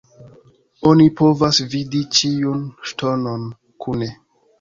Oni povas vidi ĉiun ŝtonon kune.